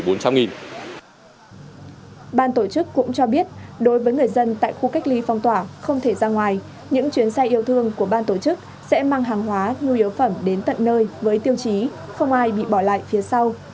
ban tổ chức cũng cho biết đối với người dân tại khu cách ly phong tỏa không thể ra ngoài những chuyến xe yêu thương của ban tổ chức sẽ mang hàng hóa nhu yếu phẩm đến tận nơi với tiêu chí không ai bị bỏ lại phía sau